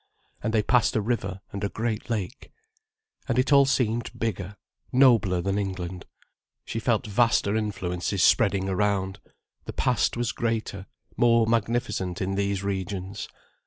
And they passed a river, and a great lake. And it all seemed bigger, nobler than England. She felt vaster influences spreading around, the Past was greater, more magnificent in these regions.